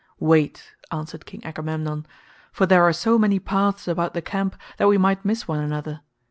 "Wait," answered King Agamemnon, "for there are so many paths about the camp that we might miss one another.